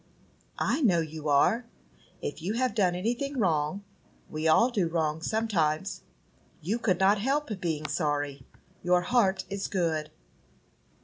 "I know you are. If you have done anything wrong, we all do wrong sometimes, you could not help being sorry. Your heart is good."